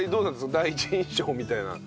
第一印象みたいな。